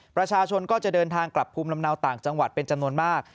ประชาชนก็จะเดินทางกลับภูมิลำเนาต่างจังหวัดเป็นจำนวนมาก